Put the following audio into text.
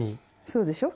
そうでしょ。